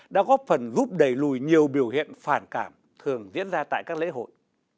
đã góp phần giúp đẩy lùi nhiều biểu hiện phản cảm thường diễn ra tại các lễ hội